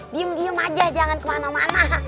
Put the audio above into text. diem diem aja jangan kemana mana